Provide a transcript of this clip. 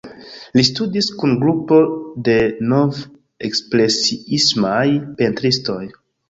Li studis kun grupo de nov-ekspresiismaj pentristoj.